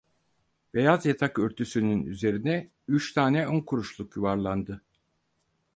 Beyaz yatak örtüsünün üzerine üç tane on kuruşluk yuvarlandı.